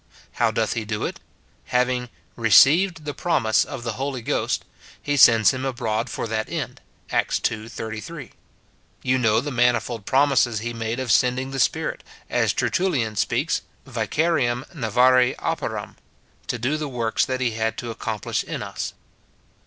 How doth he do it ? Having "received the promise of the Holy Ghost," he sends him abroad for that end, Acts ii. 33. You know the manifold promises he made of sending the Spirit, as Tertullian speaks, " Vicariam navare operam," to do the works that he had to accomplish in us.